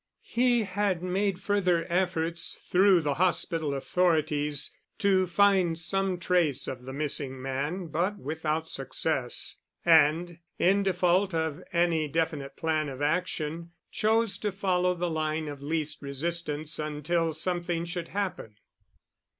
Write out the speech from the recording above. He had made further efforts through the hospital authorities to find some trace of the missing man but without success, and in default of any definite plan of action chose to follow the line of least resistance until something should happen.